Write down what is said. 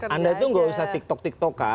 anda itu nggak usah tiktok tiktok